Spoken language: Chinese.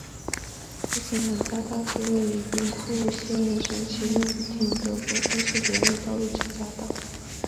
福崎南匝道是位于兵库县神崎郡福崎町的播但连络道路之匝道。